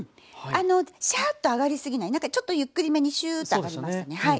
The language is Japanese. シャーッと揚がり過ぎない何かちょっとゆっくりめにシューッと揚がりますねはい。